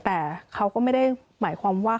แต่เขาก็ไม่ได้หมายความว่า